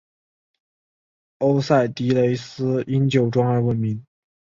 欧塞迪雷斯因酒庄而闻名。